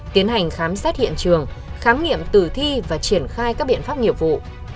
tiến hành khám xét hiện trường khám nghiệm tử thi và triển khai các biện pháp nhiệm vụ